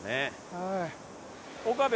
はい。